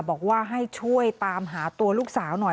บอกว่าให้ช่วยตามหาตัวลูกสาวหน่อย